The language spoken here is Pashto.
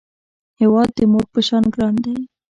هیواد د مور په شان ګران دی